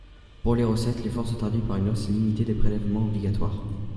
Pour les recettes, l’effort se traduit par une hausse limitée des prélèvements obligatoires.